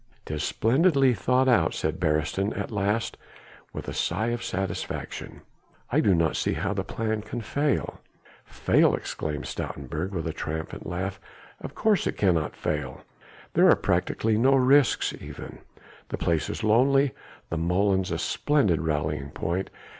"'Tis splendidly thought out," said Beresteyn at last with a sigh of satisfaction. "I do not see how the plan can fail." "Fail?" exclaimed Stoutenburg with a triumphant laugh, "of course it cannot fail! There are practically no risks even. The place is lonely, the molens a splendid rallying point.